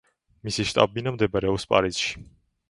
მისი შტაბ-ბინა მდებარეობს პარიზში.